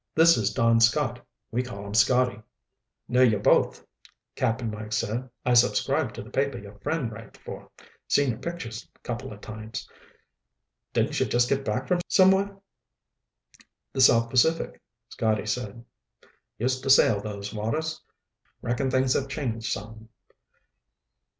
This is Don Scott. We call him Scotty." "Knew you both," Cap'n Mike said. "I subscribe to the paper your friend writes for. Seen your pictures couple of times. Didn't you just get back from somewhere?" "The South Pacific," Scotty said. "Used to sail those waters. Reckon things have changed some."